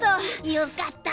よかった！